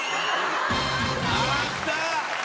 あった！